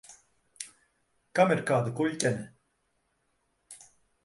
Kam ir kāda kuļķene?